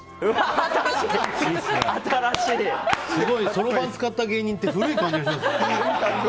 そろばん使った芸人って古い感じがします。